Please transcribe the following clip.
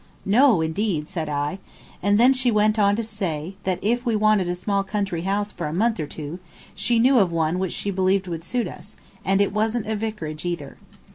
"No, indeed," said I; and then she went on to say that if we wanted a small country house for a month or two she knew of one which she believed would suit us, and it wasn't a vicarage either.